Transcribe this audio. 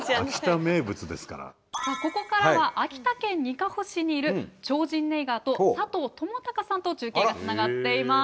ここからは秋田県にかほ市にいる超神ネイガーと佐藤智隆さんと中継がつながっています。